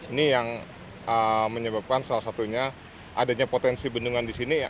ini yang menyebabkan salah satunya adanya potensi bendungan di sini